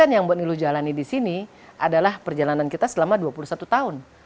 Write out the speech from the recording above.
yang buat niluh jalani di sini adalah perjalanan kita selama dua puluh satu tahun